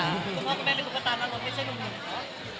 คุณพ่อคุณแม่เป็นลูกภาษาน้ำรถไม่ใช่ลูกหนู